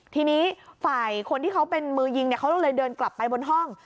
ทีนี้ฝ่ายคนที่เขาเป็นมือยิงเขาเลยเดินกลับไปบนห้อง